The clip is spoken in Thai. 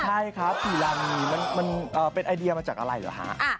ใช่ครับกี่รังนี่มันเป็นไอเดียมาจากอะไรเหรอฮะ